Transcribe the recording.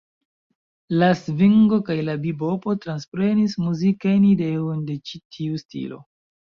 La svingo kaj la bibopo transprenis muzikajn ideojn de ĉi tiu stilo.